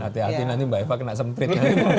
aamiin hati hati nanti mbak eva kena semprit